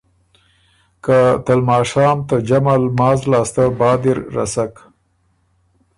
که ته لماشام ته جمع لماز لاسته بعد اِر رسک۔